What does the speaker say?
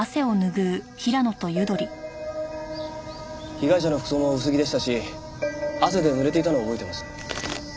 被害者の服装も薄着でしたし汗で濡れていたのを覚えてます。